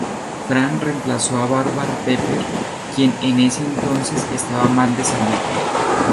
Fran reemplazó a Barbara Pepper, quien en ese entonces estaba mal de salud.